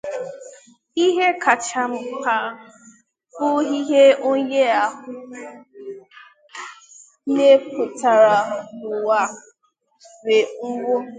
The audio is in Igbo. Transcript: ihe kacha mkpa bụ ihe onye ahụ mepụtara n'ụwa wee nwụọ